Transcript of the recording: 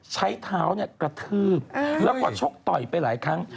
ใช้เท้ากระทืบแล้วก็ชกต่อยไปหลายครั้ง